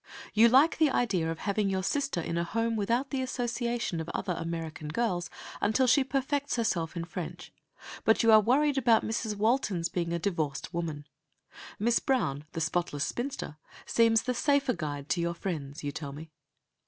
You like the idea of having your sister in a home without the association of other American girls, until she perfects herself in French, but you are worried about Mrs. Walton's being a divorced woman. Miss Brown, the spotless spinster, seems the safer guide to your friends, you tell me.